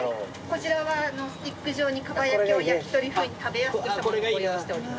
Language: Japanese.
こちらはスティック状にかば焼きを焼き鳥風に食べやすくしたものをご用意しております。